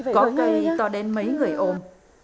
có cây to đến mấy người ôm